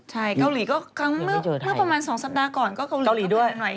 ใช่เกาหลีก็เมื่อประมาณ๒สัปดาห์ก่อนก็เกาหลีก็แผ่นดินไหว